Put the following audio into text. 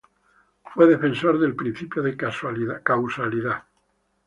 Fue defensor del principio de causalidad.